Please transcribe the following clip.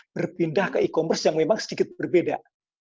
berpindah ke e commerce yang memang sedikit berbeda